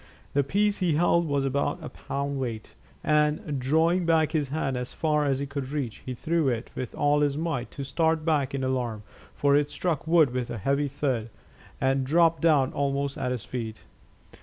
The piece he held was about a pound weight, and, drawing back his hand as far as he could reach, he threw it with all his might, to start back in alarm, for it struck wood with a heavy thud, and dropped down almost at his feet.